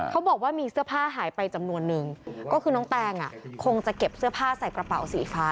เขาบอกว่ามีเสื้อผ้าหายไปจำนวนนึงก็คือน้องแตงอ่ะคงจะเก็บเสื้อผ้าใส่กระเป๋าสีฟ้า